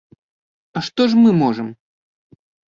А што ж мы можам?